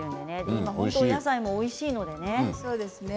今、お野菜もおいしいのでね。